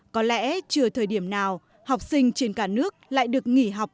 có lẽ trừ thời điểm nào học sinh trên cả nước lại được nghỉ học